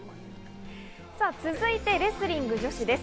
続いてレスリング女子です。